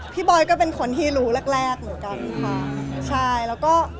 บอยก็เป็นคนที่รู้แรกแรกเหมือนกันค่ะใช่แล้วก็